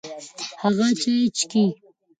هغه چای چیکي.